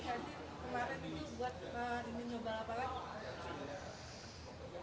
kemarin itu buat ingin nyoba lapangan